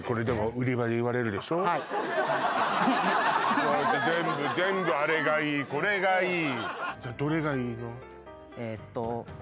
言われて全部、あれがいい、これがいい。